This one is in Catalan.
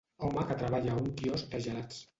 home que treballa a un quiosc de gelats.